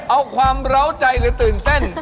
เอาความเล้าใจหรือตื่นเต้น